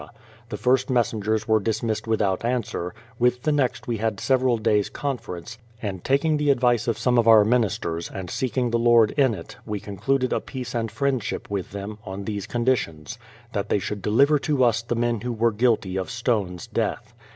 The first messengers were dismissed without answer; with the next we had several days' conference, and taking the advice of some of our ministers, and seeking the Lord in it, we concluded a peace and friendship with them, on these conditions : that they should deliver to us the men who were guilty of Stone's death.